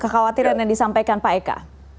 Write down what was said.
kekhawatiran yang disampaikan pak eka